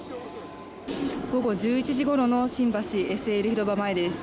午後１１時ごろの新橋ＳＬ広場前です。